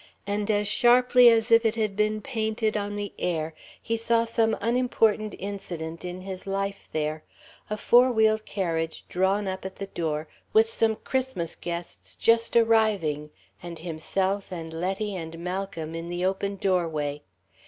And as sharply as if it had been painted on the air, he saw some unimportant incident in his life there a four wheel carriage drawn up at the door with some Christmas guests just arriving, and himself and Letty and Malcolm in the open doorway.